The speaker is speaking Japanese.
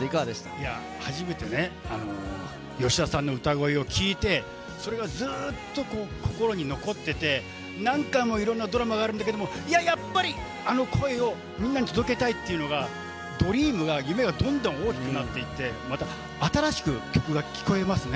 いや、初めてね、吉田さんの歌声を聴いて、それがずっと心に残ってて、何回もいろんなドラマがあるんだけれども、いややっぱり、あの声をみんなに届けたいっていうのが、ドリームが、夢がどんどん大きくなっていって、また、新しく曲が聴こえますね。